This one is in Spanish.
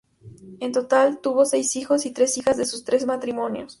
En total, tuvo seis hijos y tres hijas de sus tres matrimonios.